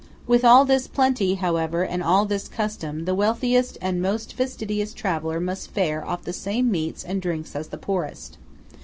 With all this plenty, however, and all this custom, the wealthiest and most fastidious traveller must fare off the same meats and drinks as the poorest.